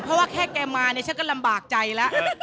เพราะว่าแค่แกมาเนี่ยฉันก็ลำบากใจแล้ว